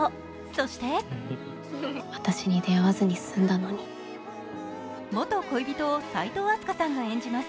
そして、元恋人を齋藤飛鳥さんが演じます。